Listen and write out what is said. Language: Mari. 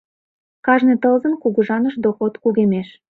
Кажне тылзын кугыжаныш доход кугемеш.